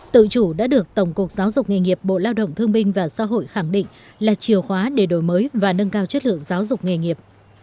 tự chủ đã được tổng cục giáo dục nghề nghiệp bộ lao động thương minh và xã hội khẳng định là chiều khóa để đổi mới và nâng cao chất lượng giáo dục nghề nghiệp